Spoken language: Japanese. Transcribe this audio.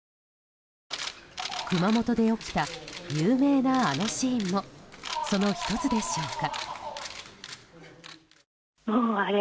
熊本で起きた有名なあのシーンもその１つでしょうか。